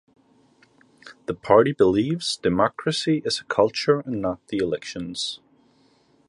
The party believes, democracy is a culture and not the elections.